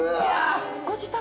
ご自宅？